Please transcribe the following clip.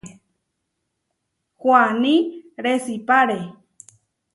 Huaní resipáre.